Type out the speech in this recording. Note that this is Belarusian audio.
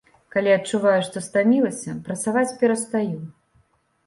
Калі адчуваю, што стамілася, працаваць перастаю.